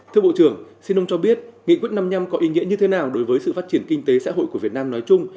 thưa bộ trưởng xin ông cho biết nghị quyết năm mươi năm có ý nghĩa như thế nào đối với sự phát triển kinh tế xã hội của việt nam nói chung